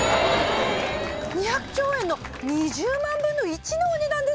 ２００兆円の２０万分の１のお値段です！